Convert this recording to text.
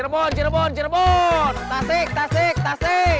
bos bubun pakai motornya jack